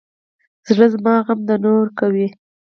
زړه زما غم د نورو کوي.